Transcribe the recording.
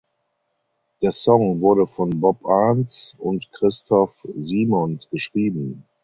Der Song wurde von Bob Arnz und Christoph Siemons geschrieben.